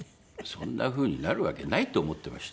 そんな風になるわけないと思ってました。